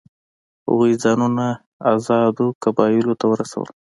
هغوی ځانونه آزادو قبایلو ته ورسول.